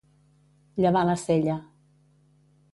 Llevar la sella.